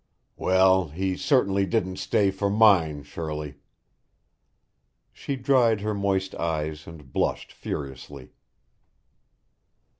"Well, he certainly didn't stay for mine, Shirley." She dried her moist eyes and blushed furiously.